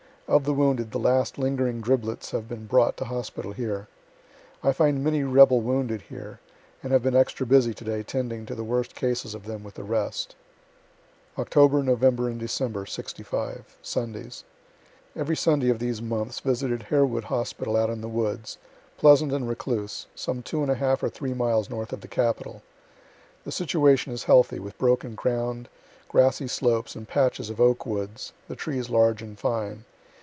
Of the wounded the last lingering driblets have been brought to hospital here. I find many rebel wounded here, and have been extra busy to day 'tending to the worst cases of them with the rest. Oct., Nov. and Dec., '65 Sundays Every Sunday of these months visited Harewood hospital out in the woods, pleasant and recluse, some two and a half or three miles north of the capitol. The situation is healthy, with broken ground, grassy slopes and patches of oak woods, the trees large and fine.